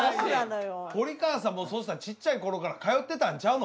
堀川さんもそしたらちっちゃいころから通ってたんちゃうの？